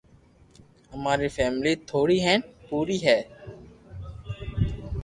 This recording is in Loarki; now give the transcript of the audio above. اماري فيملي ٿوڙي ھين پوري ھي